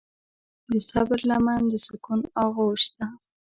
د صبر لمن د سکون آغوش ده.